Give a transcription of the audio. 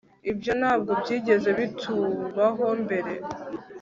Ibyo ntabwo byigeze bitubaho mbere